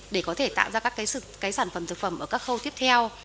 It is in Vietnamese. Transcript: để tạo ra các sản phẩm thực phẩm ở các khâu tiếp theo